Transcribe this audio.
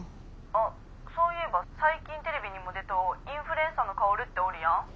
あっそういえば最近テレビにも出とうインフルエンサーのカオルっておるやん？